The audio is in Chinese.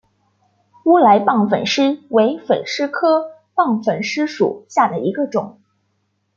乌来棒粉虱为粉虱科棒粉虱属下的一个种。